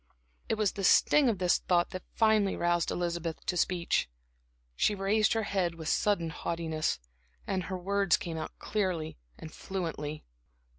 It was the sting of this thought that finally roused Elizabeth to speech. She raised her head with sudden haughtiness, and her words came clearly and fluently.